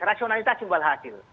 rasionalitas yang berhasil